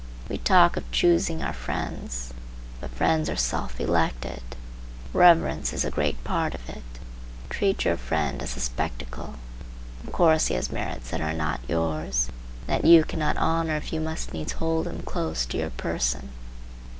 We talk of choosing our friends, but friends are self elected. Reverence is a great part of it. Treat your friend as a spectacle. Of course he has merits that are not yours, and that you cannot honor if you must needs hold him close to your person.